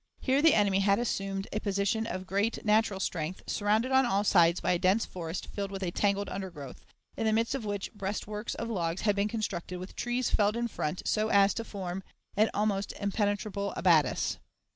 Here the enemy had assumed a position of great natural strength, surrounded on all sides by a dense forest filled with a tangled undergrowth, in the midst of which breastworks of logs had been constructed with trees felled in front so as to form an almost impenetrable abatis.